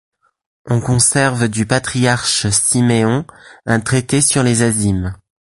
On conserve du patriarche Syméon un traité sur les azymes.